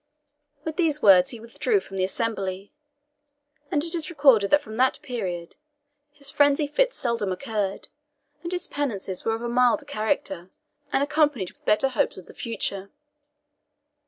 With these words he withdrew from the assembly; and it is recorded that from that period his frenzy fits seldom occurred, and his penances were of a milder character, and accompanied with better hopes of the future.